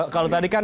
kalau tadi kan